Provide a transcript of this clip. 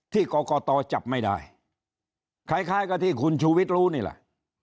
ที่กรกตจับไม่ได้คล้ายกับที่คุณชูวิทย์รู้นี่แหละ